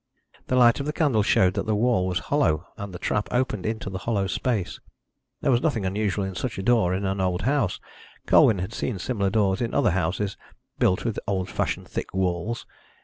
The light of the candle showed that the wall was hollow, and the trap opened into the hollow space. There was nothing unusual in such a door in an old house; Colwyn had seen similar doors in other houses built with the old fashioned thick walls.